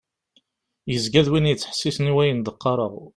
Yezga d win yettḥessisen i wayen d-qqreɣ.